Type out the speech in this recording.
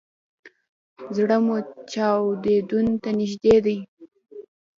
زړه مو چاودون ته نږدې کیږي